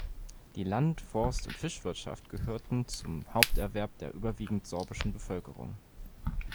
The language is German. Die Land-, Forst- und Fischwirtschaft gehörten zum Haupterwerb der überwiegend sorbischen Bevölkerung.